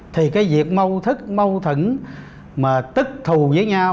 thì cái việc mâu thức mâu thử mà tức thù với nhau